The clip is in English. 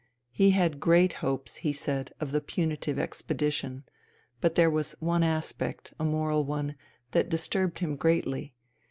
He had great hopes, he said, of the punitive expedition ; but there was one aspect — a moral one — ^that disturbed him greatly.